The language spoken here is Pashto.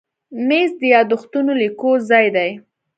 مېز د یاداښتونو لیکلو ځای دی.